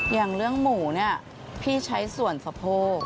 อย่างเรื่องหมูเนี่ยพี่ใช้ส่วนสะโพก